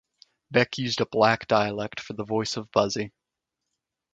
Beck used a black dialect for the voice of Buzzy.